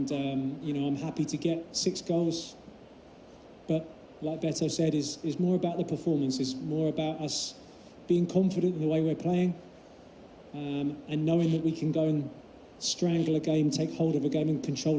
dan mengerti bahwa kita bisa menangkap permainan menangkap permainan dan mengawal semuanya sampai akhir tanpa menangkap gol